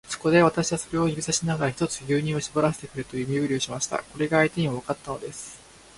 そこで、私はそれを指さしながら、ひとつ牛乳をしぼらせてくれという身振りをしました。これが相手にもわかったのです。